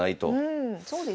うんそうですね。